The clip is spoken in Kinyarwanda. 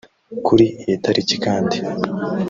Kuri iyi tariki kandi